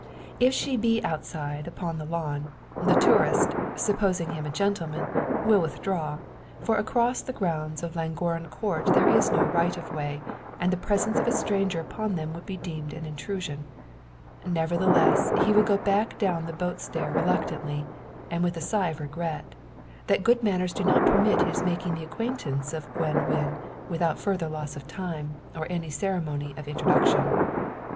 If she be outside, upon the lawn, the tourist, supposing him a gentleman, will withdraw; for across the grounds of Llangorren Court there is no "right of way," and the presence of a stranger upon them would be deemed an intrusion. Nevertheless, he would go back down the boat stair reluctantly, and with a sigh of regret, that good manners do not permit his making the acquaintance of Gwen Wynn without further loss of time, or any ceremony of introduction.